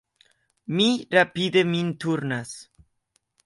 Mi rapide min turnas.